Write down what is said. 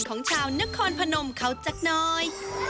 ของชาวนครพนมเขาสักน้อย